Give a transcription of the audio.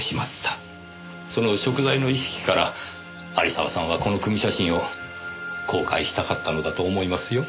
その贖罪の意識から有沢さんはこの組み写真を公開したかったのだと思いますよ。